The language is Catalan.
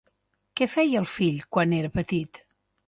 Què feia el fill quan era petit?